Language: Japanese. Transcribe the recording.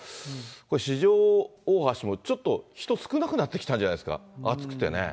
これ、四条大橋もちょっと人少なくなってきたんじゃないですか、暑くてね。